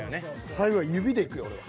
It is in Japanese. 最後は指でいくよ俺は。